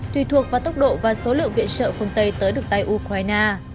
tùy thuộc vào tốc độ và số lượng viện sợ phương tây tới được tay ukraine